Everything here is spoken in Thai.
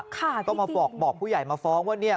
ก็มาบอกผู้ใหญ่มาฟ้องว่าเนี่ย